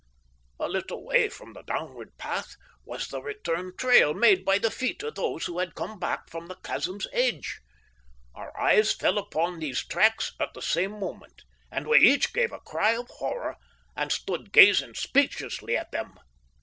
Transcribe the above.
A little way from the downward path was the return trail made by the feet of those who had come back from the chasm's edge. Our eyes fell upon these tracks at the same moment, and we each gave a cry of horror, and stood gazing speechlessly at them.